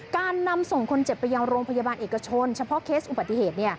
การนำส่งคนเจ็บไปยังโรงพยาบาลเอกชนเฉพาะเคสอุบัติเหตุ